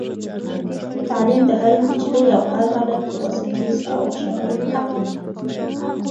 تعلیم د هرې نجلۍ او هر هلک یو بنسټیز او شرعي حق دی.